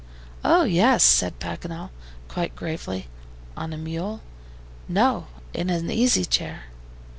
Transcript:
"Oh, yes," said Paganel, quite gravely. "On a mule?" "No, in an easy chair."